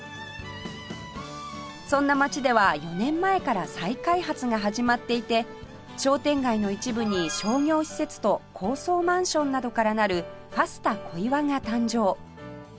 そんな街では４年前から再開発が始まっていて商店街の一部に商業施設と高層マンションなどからなるファスタ小岩が誕生